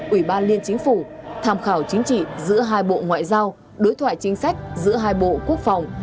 ủy ban liên chính phủ tham khảo chính trị giữa hai bộ ngoại giao đối thoại chính sách giữa hai bộ quốc phòng